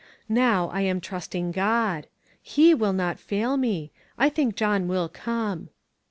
Now,' I am trusting God. He will not fail me. I think John will come."